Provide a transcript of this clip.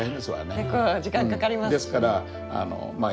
結構時間かかりますしね。